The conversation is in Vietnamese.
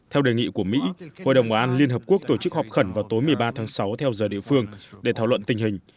theo đề nghị của mỹ hội đồng bảo an liên hợp quốc tổ chức họp khẩn vào tối một mươi ba tháng sáu theo giờ địa phương để thảo luận tình hình